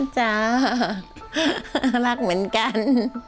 จ้ารักเหมือนกัน